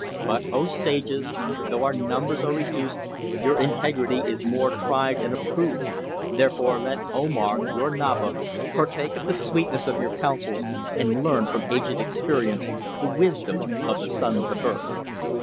But, O sages, though your numbers are reduced your integrity is more tried and approved; therefore let Omar, your Naba, partake of the sweetness of your counsels and learn from aged experience the wisdom of the sons of earth.